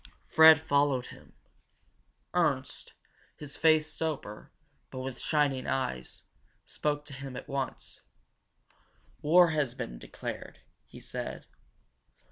Fred followed him. Ernst, his face sober, but with shining eyes, spoke to him at once. "War has been declared," he said.